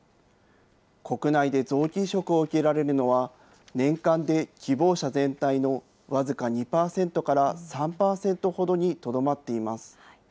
国内で臓器移植を受けられるのは、年間で希望者全体の僅か２％から３％ほどにとどまっています。